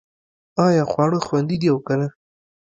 ایا خواړه خوندي دي او که نه